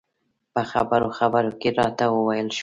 په خبرو خبرو کې رانه وویل شول.